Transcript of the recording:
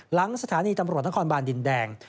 หลังสถานีตำรวจนครบานดินแดง